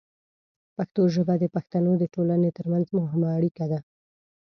پښتو ژبه د پښتنو د ټولنې ترمنځ مهمه اړیکه ده.